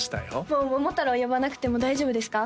もう桃太郎呼ばなくても大丈夫ですか？